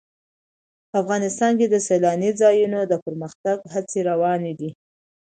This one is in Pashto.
افغانستان کې د سیلانی ځایونه د پرمختګ هڅې روانې دي.